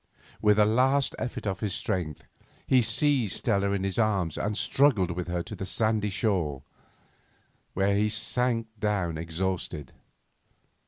With a last effort of his strength he seized Stella in his arms and struggled with her to the sandy shore, where he sank down exhausted.